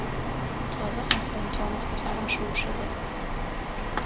تازه فصل امتحانات پسرم شروع شده